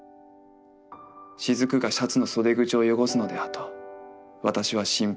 滴がシャツの袖口を汚すのではと私は心配した。